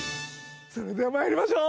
それでは参りましょう。